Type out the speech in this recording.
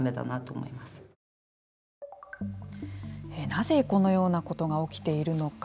なぜ、このようなことが起きているのか。